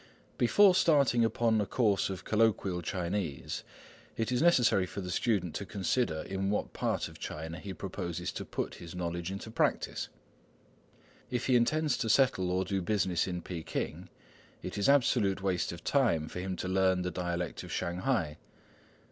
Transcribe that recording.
Before starting upon a course of colloquial Chinese, it is necessary for the student to consider in what part of China he proposes to put his knowledge into practice. If he intends to settle or do business in Peking, it is absolute waste of time for him to learn the dialect of Shanghai.